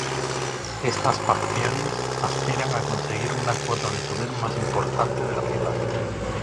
Estas facciones aspiran a conseguir una cuota de poder más importante de la ciudad.